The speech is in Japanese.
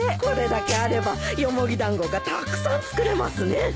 これだけあればヨモギ団子がたくさん作れますね。